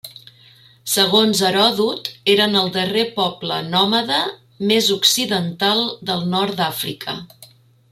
Segons Heròdot eren el darrer poble nòmada més occidental del nord d'Àfrica.